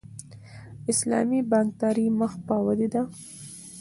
اسلامي بانکداري مخ په ودې ده